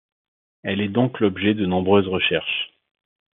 Elle est donc l'objet de nombreuses recherches.